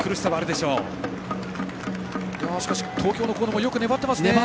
しかし東京の河野もよく粘っています。